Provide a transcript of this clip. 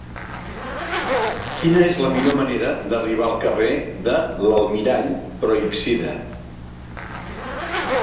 Quina és la millor manera d'arribar al carrer de l'Almirall Pròixida?